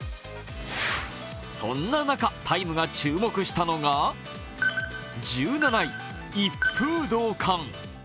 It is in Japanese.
そんな中「ＴＩＭＥ，」が注目したのが１７位、一風堂缶。